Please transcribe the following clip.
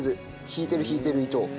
引いてる引いてる糸を。